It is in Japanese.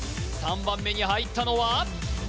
３番目に入ったのは？